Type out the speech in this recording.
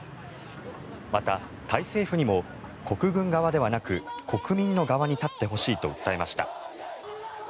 また、タイ政府にも国軍側ではなく国民の側に立ってほしいと訴えました。